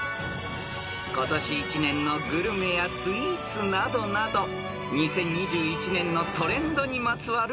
［今年一年のグルメやスイーツなどなど２０２１年のトレンドにまつわる問題］